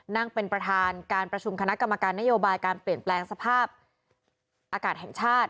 นั่งเป็นประธานการประชุมคณะกรรมการนโยบายการเปลี่ยนแปลงสภาพอากาศแห่งชาติ